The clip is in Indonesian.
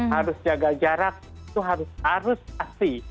harus jaga jarak itu harus pasti